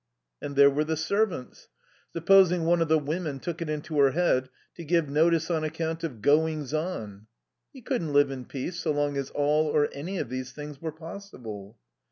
And there were the servants. Supposing one of the women took it into her head to give notice on account of "goings on?" He couldn't live in peace so long as all or any of these things were possible.